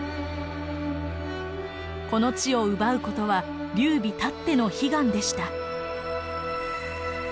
この地を奪うことは劉備たっての悲願でした。